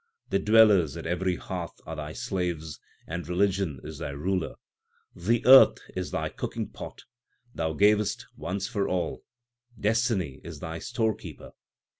The dwellers at every hearth are Thy slaves, and religion is their ruler. The earth is Thy cooking pot, Thou gavest once for all ; destiny is Thy storekeeper.